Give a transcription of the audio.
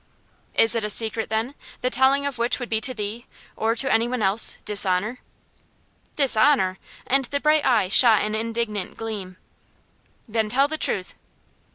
"Is it a secret, then, the telling of which would be to thee, or to any else, dishonour?" "Dishonour!" And the bright eye shot an indignant gleam. "Then, tell the truth."